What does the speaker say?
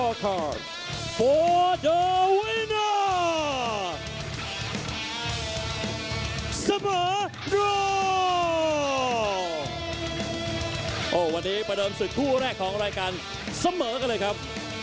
วันนี้ประเดิมศึกคู่แรกของรายการเสมอกันเลยครับ